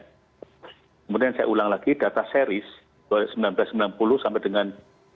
kemudian saya ulang lagi data seris dari seribu sembilan ratus sembilan puluh sampai dengan dua ribu sembilan belas